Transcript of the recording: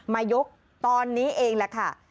มายกตอนนี้เองแหละค่ะ